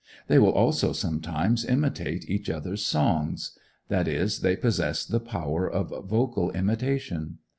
They will also sometimes imitate each other's songs. That is, they possess the power of vocal imitation.